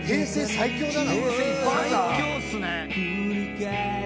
「最強っすね」